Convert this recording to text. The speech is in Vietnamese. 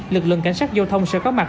lực lượng cảnh sát giao thông sẽ có mặt